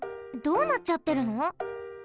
どうなっちゃってるの？